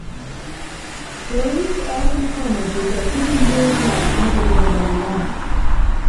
Bernds often commented that he and Jules White never really got along.